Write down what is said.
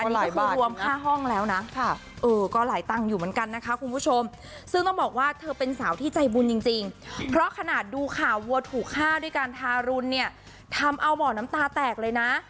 ตอนนี้ก็คือรวมค่าห้องแล้วนะเออก็หลายตังค์อยู่เหมือนกันนะคะคุณผู้ชมซึ่งต้องบอกว่าเธอเป็นสาวที่ใจบุญจริงเพราะขนาดดูข่าววัวถูกฆ่าด้วยการทารุณเนี่ยทำเอาบ่อน้ำตาแตกเลยนะ